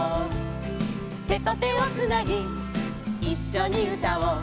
「手と手をつなぎいっしょにうたおう」